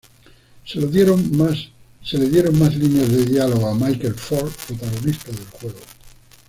Se le dieron más líneas de diálogo a Michael Ford, protagonista del juego.